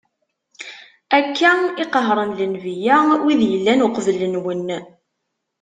Akka i qehren lenbiya, wid yellan uqbel-nwen.